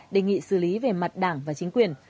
đề nghị xử lý về mặt đảng và chính quyền